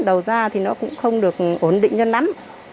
đầu ra thì nó cũng không được ổn định cho lắm